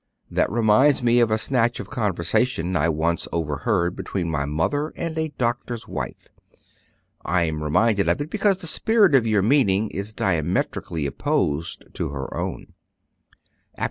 "That reminds me of a snatch of conversation I once overheard between my mother and a doctor's wife. I am reminded of it because the spirit of your meaning is diametrically opposed to her own.